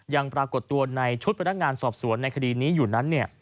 ยังปรากฏตัวในชุดพนักงานสอบสวนในคดีนี้อยู่นั้น